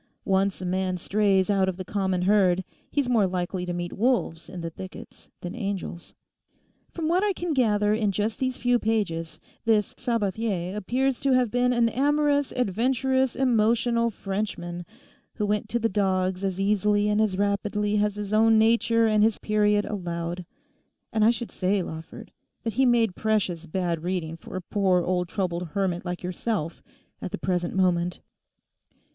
Once a man strays out of the common herd, he's more likely to meet wolves in the thickets than angels. From what I can gather in just these few pages this Sabathier appears to have been an amorous, adventurous, emotional Frenchman, who went to the dogs as easily and as rapidly as his own nature and his period allowed. And I should say, Lawford, that he made precious bad reading for a poor old troubled hermit like yourself at the present moment.